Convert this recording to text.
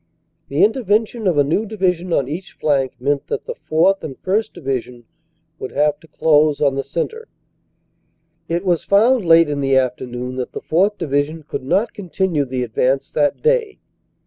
The intervention of a new division on each flank meant that the 4th. and 1st. Division would have to close on the centre. It was found late in the afternoon that the 4th. Division could not continue the advance that day.